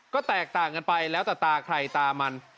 ก็แตกต่างกันไปแล้วแต่ตาใครตามัน